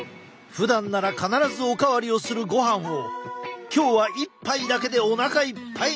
ふだんなら必ずお代わりをするごはんを今日は１杯だけでおなかいっぱいに！